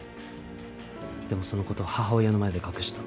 でもその事を母親の前で隠した。